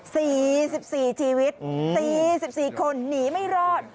สี่สิบสี่ชีวิตอืมสี่สิบสี่คนหนีไม่รอด